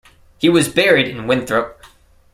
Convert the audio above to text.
He was buried in Winthrop.